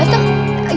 peniliknya udah dateng